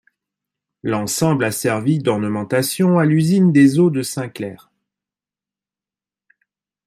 L'ensemble a servi d'ornementation à l'usine des eaux de Saint-Clair.